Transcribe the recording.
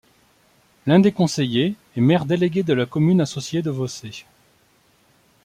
L'un des conseillers est maire délégué de la commune associée de Vaucé.